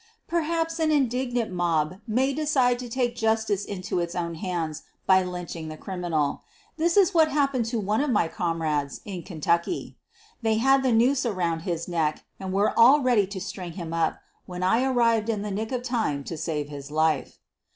Perhaps an indignant mob may decide to take justice into its own hands by lynching the criminal. This is what happened to one of my comrades in Kentucky. They had the noose around his neck and were all ready to string him up when I arrived in the nick of time to save his life.